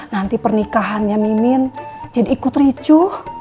nanti pernikahannya mimin jadi ikut ricuh